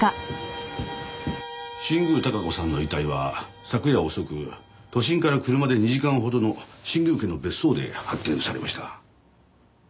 新宮孝子さんの遺体は昨夜遅く都心から車で２時間ほどの新宮家の別荘で発見されました。